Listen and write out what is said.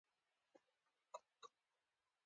د پلیور دریڅه خلاصه او پاسته شوي توکي داخلوي.